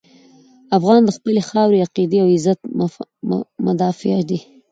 افغان د خپلې خاورې، عقیدې او عزت مدافع دی.